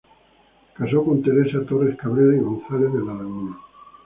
Casó con Teresa Torres-Cabrera y González de la Laguna.